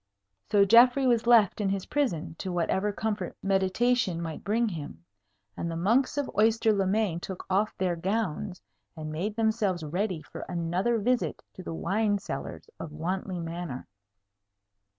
So Geoffrey was left in his prison to whatever comfort meditation might bring him; and the monks of Oyster le Main took off their gowns, and made themselves ready for another visit to the wine cellars of Wantley Manor.